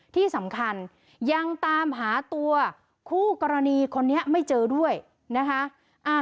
ที่สำคัญยังตามหาตัวคู่กรณีคนนี้ไม่เจอด้วยนะคะ